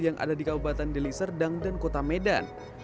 yang ada di kabupaten deliserdang dan kota medan